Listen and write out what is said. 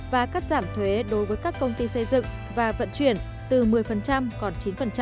và cắt giảm thuế đối với các công ty xây dựng và vận chuyển từ một mươi còn chín